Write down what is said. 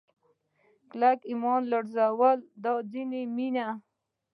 کلک ایمان ولړزوي دا ځینې مینې